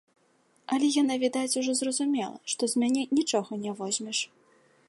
Але яна, відаць, ужо зразумела, што з мяне нічога не возьмеш.